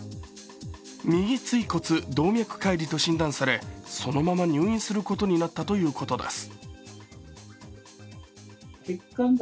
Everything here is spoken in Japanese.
右椎骨動脈解離と診断されそのまま入院することになったということです。